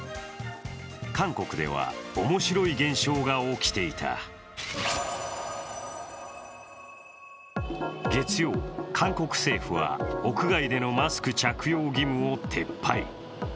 韓国では、面白い現象が起きていた月曜、韓国政府は屋外でのマスク着用義務を撤廃。